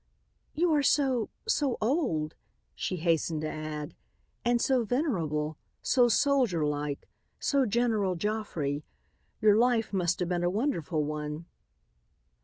"You are so so old," she hastened to add, "and so venerable, so soldier like, so like General Joffre. Your life must have been a wonderful one."